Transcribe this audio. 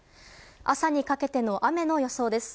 朝にかけての雨の予想です。